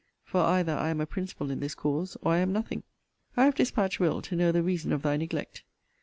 For either I am a principal in this cause, or I am nothing. I have dispatched Will. to know the reason of thy neglect.